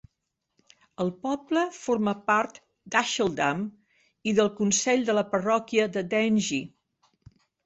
El poble forma part d'Asheldham i del consell de la parròquia de Dengie.